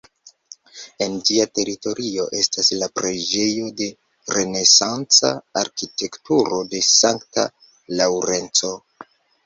En ĝia teritorio estas la preĝejo de renesanca arkitekturo de sankta Laŭrenco.